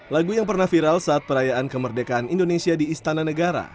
lagu yang pernah viral saat perayaan kemerdekaan indonesia di istana negara